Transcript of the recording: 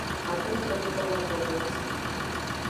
Album produkoval Tom Wilson.